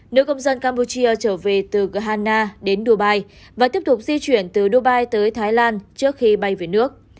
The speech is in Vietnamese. nữ công dân campuchia trở về từ ghana đến dubai và tiếp tục di chuyển từ dubai tới thái lan trước khi bay về nước